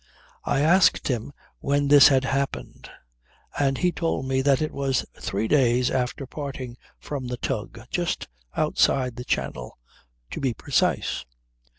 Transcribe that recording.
I asked him when this had happened; and he told me that it was three days after parting from the tug, just outside the channel to be precise.